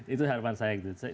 itu harapan saya gitu